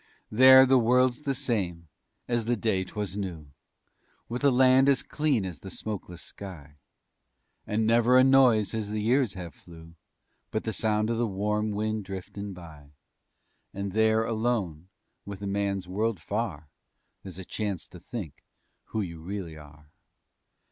There the world's the same as the day 'twas new, With the land as clean as the smokeless sky And never a noise as the years have flew, But the sound of the warm wind driftin' by; And there, alone, with the man's world far, There's a chance to think who you really are.